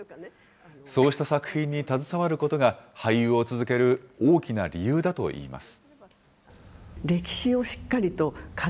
そうした作品に携わることが、俳優を続ける大きな理由だといいます。